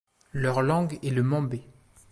Leur langue est le mambay.